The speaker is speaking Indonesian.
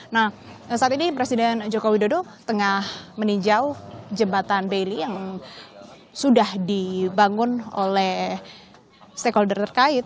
nah saat ini presiden joko widodo tengah meninjau jembatan baily yang sudah dibangun oleh stakeholder terkait